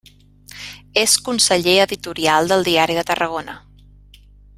És Conseller Editorial del Diari de Tarragona.